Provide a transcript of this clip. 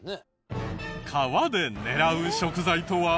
川で狙う食材とは？